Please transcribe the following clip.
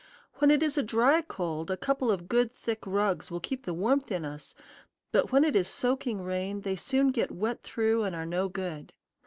When it is a dry cold, a couple of good thick rugs will keep the warmth in us; but when it is soaking rain, they soon get wet through and are no good.